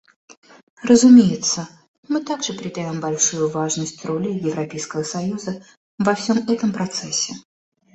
Разумеется, мы также придаем большую важность роли Европейского союза во всем этом процессе.